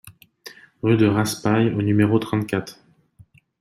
Rue de Raspail au numéro trente-quatre